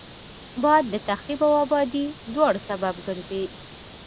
باد د تخریب او آبادي دواړو سبب ګرځي